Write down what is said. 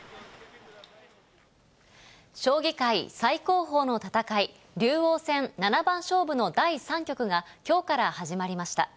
将棋界最高峰の戦い、竜王戦七番勝負の第３局が、きょうから始まりました。